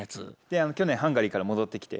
去年ハンガリーから戻ってきて。